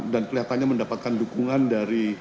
dan kelihatannya mendapatkan dukungan dari parlemennya